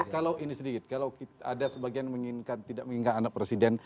kalau ini sedikit kalau ada sebagian menginginkan tidak menginginkan anak presiden